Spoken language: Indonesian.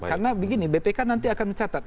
karena begini bpk nanti akan mencatat